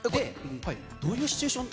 どういうシチュエーション？